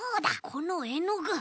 このえのぐ。